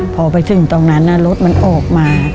พอไปถึงตรงนั้นรถมันออกมา